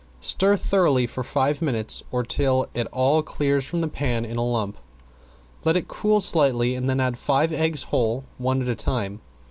Stir thoroughly for five minutes, or till it all clears from the pan in a lump. Let it cool slightly and then add five eggs whole, one at a time.